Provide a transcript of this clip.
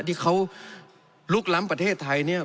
ที่เขาลุกล้ำประเทศไทยเนี่ย